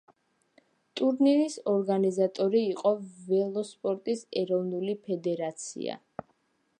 ტურნირის ორგანიზატორი იყო ველოსპორტის ეროვნული ფედერაცია.